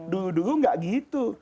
dulu dulu nggak gitu